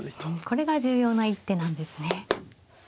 これが重要な一手なんですね。